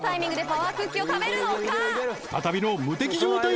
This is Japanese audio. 再びの無敵状態